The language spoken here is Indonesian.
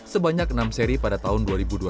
sebanyak enam seri pada tahun dua ribu dua puluh